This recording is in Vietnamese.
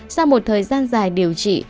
sau một thời gian dài điều trị